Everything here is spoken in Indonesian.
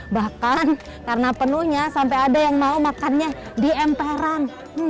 bahkan karena penuhnya sampai ada yang mau makannya di emperan